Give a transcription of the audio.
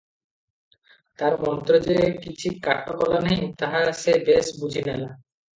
ତାର ମନ୍ତ୍ର ଯେ କିଛି କାଟ କଲା ନାହିଁ, ତାହା ସେ ବେଶ୍ ବୁଝିନେଲା ।